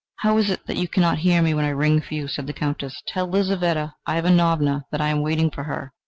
"How is it that you cannot hear me when I ring for you?" said the Countess. "Tell Lizaveta Ivanovna that I am waiting for her."